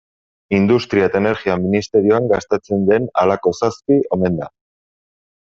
Industria eta Energia ministerioan gastatzen den halako zazpi omen da.